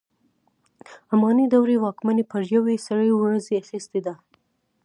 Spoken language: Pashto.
اماني دورې واکمني پر یوې سرې ورځې اخیستې ده.